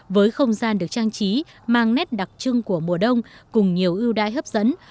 với không gian được trang trí mang nét đặc trưng của mùa đông cùng nhiều ưu đãi hấp dẫn